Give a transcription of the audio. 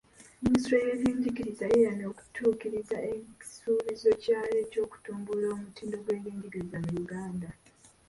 Minisitule y'ebyenjigiriza yeeyamye okutuukiriza ekisuubizo kyayo eky'okutumbula omutindo gw'ebyenjigiriza mu Uganda.